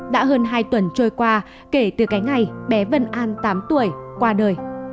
đã hơn hai tuần trôi qua kể từ cái ngày bé vân an tám tuổi qua đời